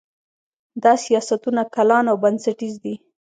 دا سیاستونه کلان او بنسټیز دي.